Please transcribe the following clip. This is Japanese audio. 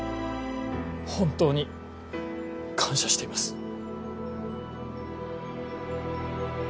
本当に感謝しています。